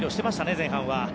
前半は。